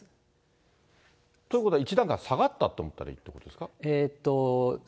ということは、１段階下がったと思ったらいいですか。